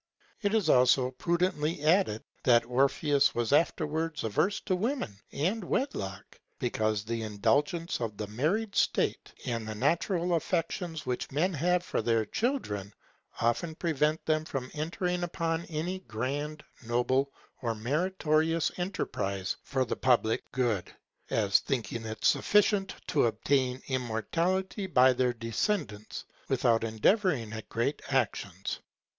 It is also prudently added, that Orpheus was afterwards averse to women and wedlock, because the indulgence of the married state, and the natural affections which men have for their children, often prevent them from entering upon any grand, noble, or meritorious enterprise for the public good; as thinking it sufficient to obtain immortality by their descendants, without endeavoring at great actions.